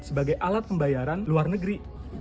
sebagai alat pembayaran luar negeri